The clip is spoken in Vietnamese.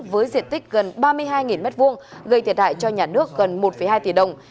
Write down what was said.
với diện tích gần ba mươi hai m hai gây thiệt hại cho nhà nước gần một hai tỷ đồng